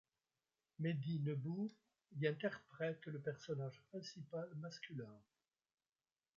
Mehdi Nebbou y interprète le personnage principal masculin.